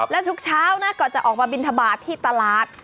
และทุกเช้านะก็จะออกมาบินทบาทที่ตลาด